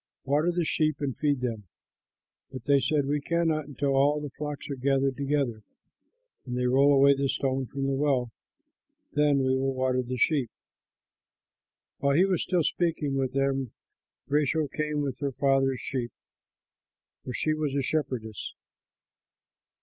Water the sheep and feed them." But they said, "We cannot until all the flocks are gathered together, and they roll away the stone from the well; then we will water the sheep." While he was still speaking with them, Rachel came with her father's sheep; for she was a shepherdess.